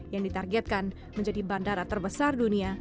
yang ditargetkan menjadi bandara terbesar dunia